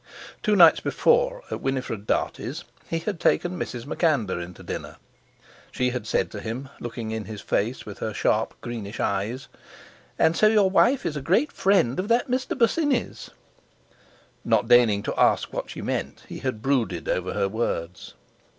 Two nights before, at Winifred Dartie's, he had taken Mrs. MacAnder into dinner. She had said to him, looking in his face with her sharp, greenish eyes: "And so your wife is a great friend of that Mr. Bosinney's?" Not deigning to ask what she meant, he had brooded over her words.